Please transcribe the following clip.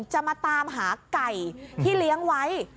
จะมาตามหาไก่ที่เลี้ยงไว้